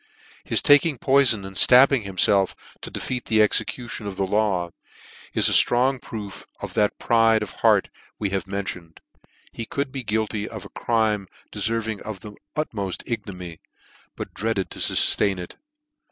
His taking poi fon and ftabbing himfelf, to defeat the execution of the Jaw, is a ftrong proof of that pride of heart we have mentioned. He could be guilty of a crime deferving the utmoft ignominy, but dreaded to fuftain it.